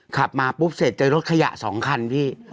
ขับมาปุ๊บเสร็จเจอรถขยะ๒คันพี่